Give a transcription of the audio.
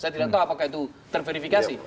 saya tidak tahu apakah itu terverifikasi